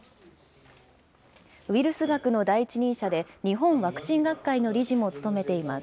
ウイルス学の第一人者で、日本ワクチン学会の理事も務めています。